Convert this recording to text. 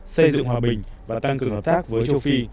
xây dựng hòa bình và tăng cường hợp tác với châu phi